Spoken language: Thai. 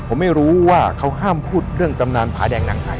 ผมไม่รู้ว่าเขาห้ามพูดเรื่องตำนานผาแดงหนังไทย